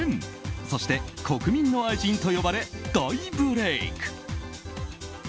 そして国民の愛人と呼ばれ大ブレーク。